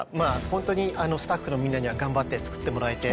ホントにスタッフのみんなには頑張って作ってもらえて。